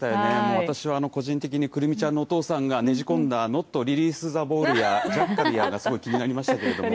私は個人的に、久留美ちゃんのお父さんがねじ込んだノットリリースザボールや、ジャッカルがすごい気になりましたけど。